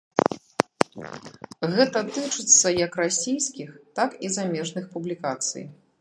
Гэта тычыцца як расійскіх, так і замежных публікацый.